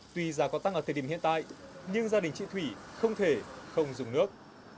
tuy giá có tăng ở thời điểm hiện tại nhưng gia đình chị thủy không thể không dùng nước